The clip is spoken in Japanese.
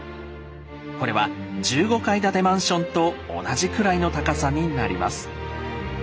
これは１５階建てマンションと同じくらいの高さになります。